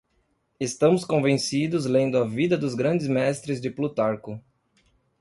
Estamos convencidos lendo a Vida dos grandes mestres de Plutarco.